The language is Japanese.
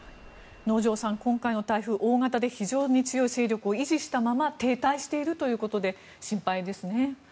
能條さん、今回の台風大型で非常に強い勢力を維持したまま停滞しているということで心配ですね。